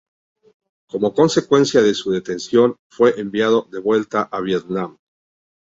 Como consecuencia de su detención, fue enviado de vuelta a Vietnam.